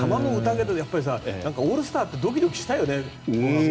やっぱりオールスターってドキドキしたよね。